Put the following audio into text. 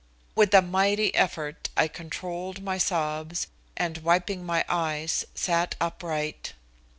With a mighty effort, I controlled my sobs and, wiping my eyes, sat upright.